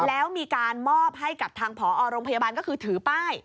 แล้วมีการมอบให้กับทางผอโรงพยาบาลก็คือถือป้าย